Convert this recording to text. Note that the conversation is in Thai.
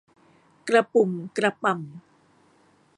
กระปุ่มกระป่ำ